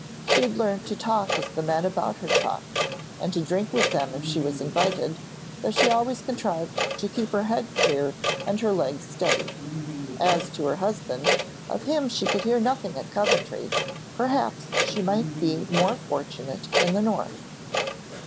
She had learnt to talk as the men about her talked, and to drink with them if she was invited, though she always contrived to keep her head clear and her legs steady. As to her husband, of him she could hear nothing at Coventry; perhaps she might be more fortunate in the north.